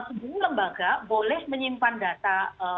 seluruh lembaga boleh menyimpan data